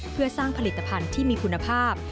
เพื่อสร้างผลิตภัณฑ์ที่มีคุณภาพ